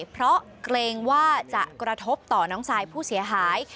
เพราะเกรงว่าจะกระทบต่อน้องซายผู้เสียหาย